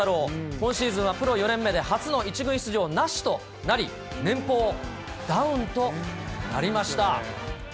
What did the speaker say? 今シーズンはプロ４年目で初の１軍出場なしとなり、年俸ダウンとなりました。